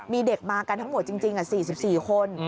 มีเด็กมากันทั้งหมดจริง๔๔คน